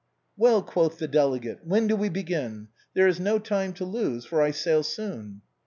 " Well," quoth the delegate, " when do we begin ? There is no time to lose, for I sail soon."